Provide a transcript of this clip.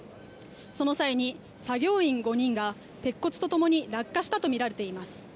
その際に作業員５人が鉄骨とともに落下したとみられています。